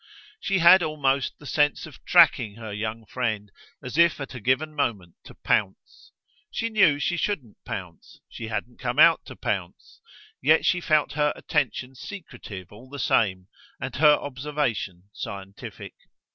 She had almost the sense of tracking her young friend as if at a given moment to pounce. She knew she shouldn't pounce, she hadn't come out to pounce; yet she felt her attention secretive, all the same, and her observation scientific.